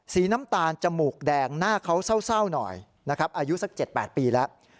น้ำตาลจมูกแดงหน้าเขาเศร้าหน่อยนะครับอายุสัก๗๘ปีแล้ว